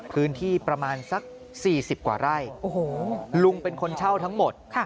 พื้นที่ประมาณสัก๔๐กว่าไร่ลุงเป็นคนเช่าทั้งหมด